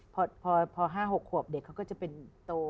พอ๕๖ขวบเด็กเขาก็จะเป็นโต